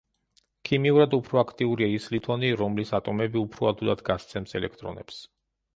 ქიმიურად უფრო აქტიურია ის ლითონი, რომლის ატომები უფრო ადვილად გასცემს ელექტრონებს.